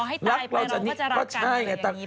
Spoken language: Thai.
ต่อให้ตายไปเราก็จะรักกันเป็นแบบนี้